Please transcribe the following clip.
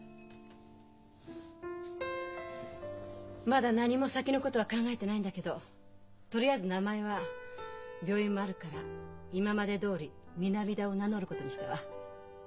まだ何も先のことは考えてないんだけどとりあえず名前は病院もあるから今までどおり南田を名乗ることにしたわ。